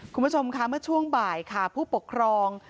คุณผู้ชมภาคมือช่วงบ่ายค่าก่อผู้ปกครอง